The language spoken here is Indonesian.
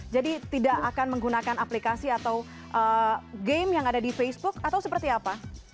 jadi tidak akan menggunakan aplikasi atau game yang ada di facebook atau seperti apa